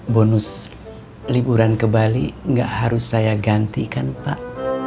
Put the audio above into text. bonus liburan ke bali nggak harus saya gantikan pak